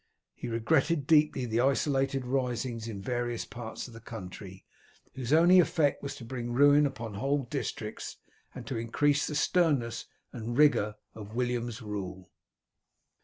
He regretted deeply the isolated risings in various parts of the country, whose only effect was to bring ruin upon whole districts and to increase the sternness and rigour of William's rule.